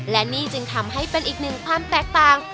และนี่จึงทำให้เป็นอีกหนึ่งความแตกต่าง